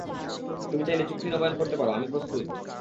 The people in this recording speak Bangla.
তুমি চাইলে চুক্তি নবায়ন করতে পার আমি প্রস্তুত।